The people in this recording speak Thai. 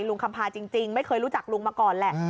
คำพาจริงไม่เคยรู้จักลุงมาก่อนแหละ